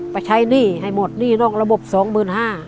ไปใช้หนี้ให้หมดหนี้นอกระบบสองหมื่นห้า